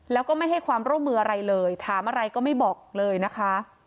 แล้วก็ไม่ให้ความร่วมมืออะไรเลยถามอะไรก็ไม่บอกเลยนะคะ